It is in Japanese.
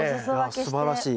すばらしい。